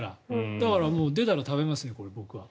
だから出たら食べますね。